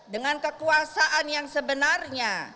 dengan kekuasaan yang sebenarnya